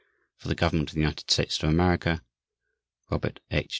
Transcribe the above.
For the Government of the United States of America /s/ ROBERT H.